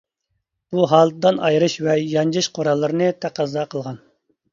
بۇ ھال دان ئايرىش ۋە يانجىش قوراللىرىنى تەقەززا قىلغان.